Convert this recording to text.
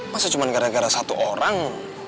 masa cuma gara gara satu orang